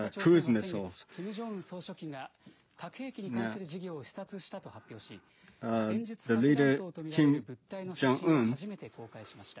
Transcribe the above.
また北朝鮮は先月、キム・ジョンウン総書記が核兵器に関する事業を視察したと発表し戦術核弾頭と見られる物体の写真を初めて公開しました。